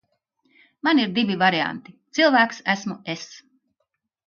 Man ir divi varianti. Cilvēks esmu es.